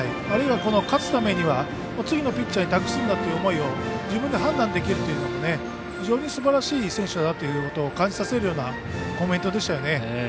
あるいは勝つためには次のピッチャーに託すんだという思いを自分で判断できるというのも非常にすばらしい選手だなということを感じさせるようなコメントでしたよね。